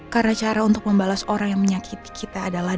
karena cara untuk membalas orang yang menyakiti kita adalah